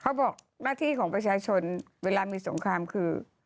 เขาบอกหน้าที่ของประชาชนเวลามีสงครามคือ